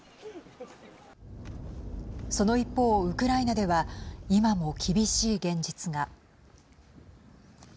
その一方、ウクライナでは今も厳しい現実が。